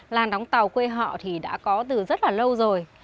làng đóng tàu quê họ thì đã có từ rất là lâu rồi